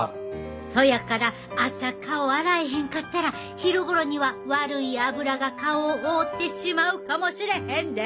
そやから朝顔洗えへんかったら昼頃には悪い脂が顔を覆ってしまうかもしれへんで！